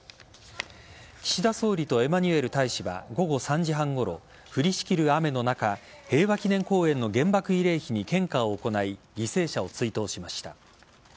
岸田総理とエマニュエル大使は午後３時半ごろ降りしきる雨の中平和記念公園の原爆慰霊碑に献花を行い犠牲者を追悼しました。